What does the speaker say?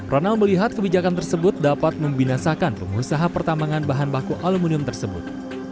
ronald melihat kebijakan tersebut dapat membinasakan pengusaha pertambangan bahan baku aluminium tersebut